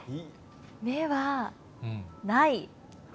目はない。